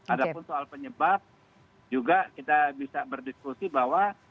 ada pun soal penyebab juga kita bisa berdiskusi bahwa